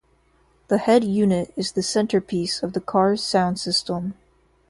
The head unit is the centerpiece of the car's sound system.